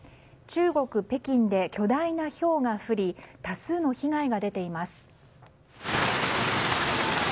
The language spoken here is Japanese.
中国・北京で巨大なひょうが降り多数の被害が出ています。